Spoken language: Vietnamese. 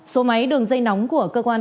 số máy đường dây nóng của cơ quan